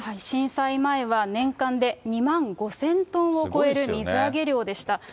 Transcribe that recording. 震災前は年間で２万５０００トンを超える水揚げ量でした。